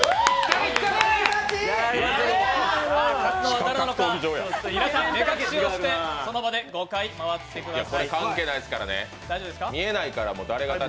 勝つのは誰なのか、皆さん目隠しをしてその場で５回、回ってください。